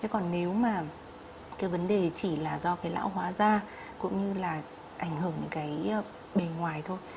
còn nếu mà vấn đề chỉ là do lão hóa da cũng như là ảnh hưởng đến bề ngoài thôi